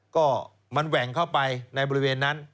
ก็มันแหว่งเข้าไปในบริเวณนั้น